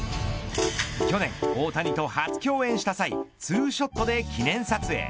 去年、大谷と初競演した際ツーショットで記念撮影。